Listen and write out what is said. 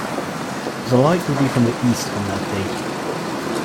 The light will be from the East on that date.